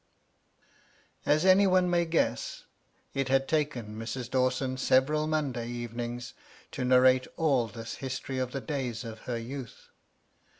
As any one may guess, it had taken Mrs. Dawson several Monday evenings to narrate all this history of the days of her youth.